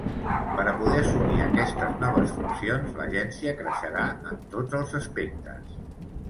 Per a poder assumir aquestes noves funcions, l’agència creixerà en tots els aspectes.